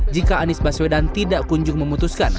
jika anies baswedan tidak kunjung memutuskan